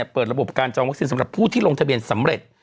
เปิดระบบการจองวัคซีนสำหรับผู้ที่ลงทะเบียนสำเร็จ